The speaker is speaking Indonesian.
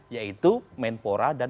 yaitu menpora dan